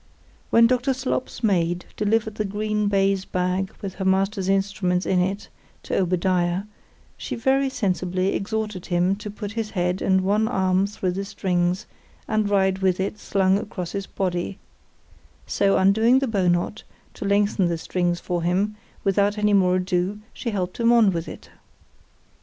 When Dr. Slop's maid delivered the green baize bag with her master's instruments in it, to Obadiah, she very sensibly exhorted him to put his head and one arm through the strings, and ride with it slung across his body: so undoing the bow knot, to lengthen the strings for him, without any more ado, she helped him on with it.